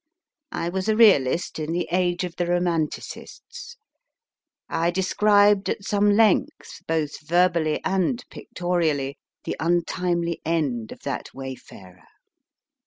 I was a realist in the age of the Romanticists, I described at some length, both verbally and pictorially, the untimely end of that wayfarer.